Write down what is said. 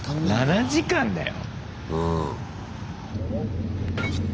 ７時間だよ！